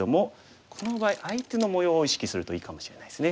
この場合相手の模様を意識するといいかもしれないですね。